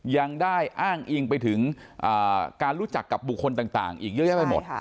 ยังได้อ้างอิงไปถึงการรู้จักกับบุคคลต่างอีกเยอะแยะไปหมด